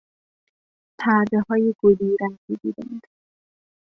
پردهها گلی رنگ بودند.